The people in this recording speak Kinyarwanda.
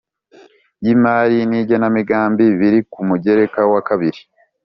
y Imari n Igenamigambi biri ku mugereka wakabiri